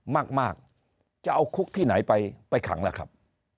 มากจะเอาคุกที่ไหนไปขังล่ะครับ